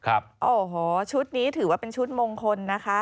โอ้โหชุดนี้ถือว่าเป็นชุดมงคลนะคะ